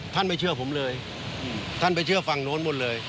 ไม่เชื่อผมเลยท่านไปเชื่อฝั่งโน้นหมดเลย